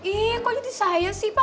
iya kok jadi saya sih pak